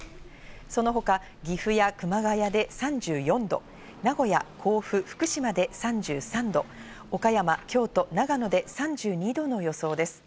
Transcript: その他、岐阜や熊谷で３４度、名古屋、甲府、福島で３３度、岡山、京都、長野で３２度の予想です。